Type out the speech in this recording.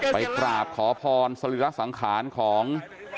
ไปกราบขอพรสรีระสังขารของ